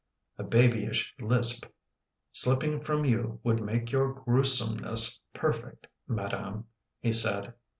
" A babyish lisp slipping from you would make your grewsomeness perfect, madame," he said.